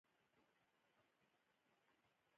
مختصر مکتوبونه واستول.